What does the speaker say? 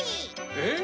えっ？